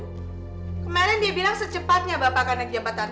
kemarin dia bilang secepatnya bapak akan naik jabatan